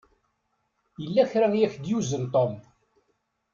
Yella kra i ak-d-yuzen Tom.